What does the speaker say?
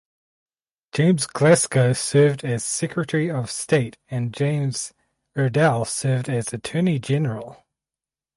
James Glasgow served as Secretary of State and James Iredell served as Attorney General.